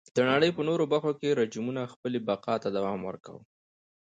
د نړۍ په نورو برخو کې رژیمونو خپلې بقا ته دوام ورکاوه.